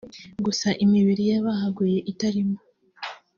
gusa imibiri y’abahaguye itarimo